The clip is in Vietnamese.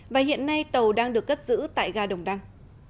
và hiện nay tàu đang được cất giữ tại ga đồng đăng